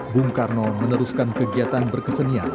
bung karno meneruskan kegiatan berkesenian